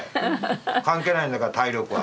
関係ないんだから体力は。